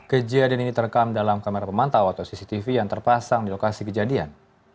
kejadian ini terekam dalam kamera pemantau atau cctv yang terpasang di lokasi kejadian